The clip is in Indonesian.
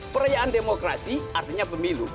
perayaan demokrasi artinya pemilu